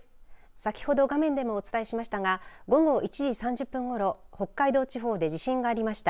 先ほど画面でもお伝えしましたが午後１時３０分ごろ北海道地方で地震がありました。